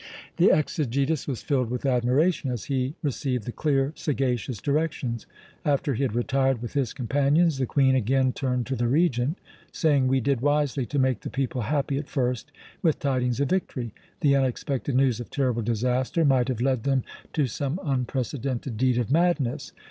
The Exegetus was filled with admiration as he received the clear, sagacious directions. After he had retired with his companions, the Queen again turned to the Regent, saying: "We did wisely to make the people happy at first with tidings of victory. The unexpected news of terrible disaster might have led them to some unprecedented deed of madness.